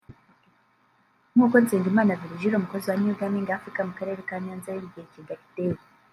nk’uko Nsengimana Virgile umukozi wa New Gaming Africa mu karere ka Nyanza yabibwiye Kigaliday